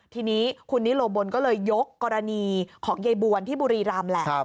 ทีนี้คุณนิโลบนก็เลยยกกรณีของยายบวนที่บุรีรำแหละ